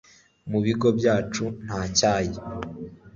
Mu bigo byacu nta cyayi